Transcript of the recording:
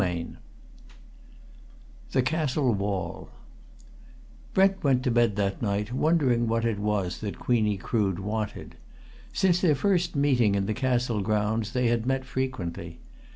CHAPTER XVI THE CASTLE WALL Brent went to bed that night wondering what it was that Queenie Crood wanted. Since their first meeting in the Castle grounds they had met frequently.